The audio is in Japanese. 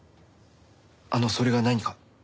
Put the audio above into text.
あのそれが何か？